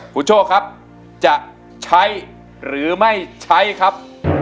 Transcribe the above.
คุณโชคครับจะใช้หรือไม่ใช้ครับ